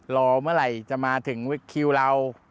รอเมื่อไหร่จะมาถึงคิวเรา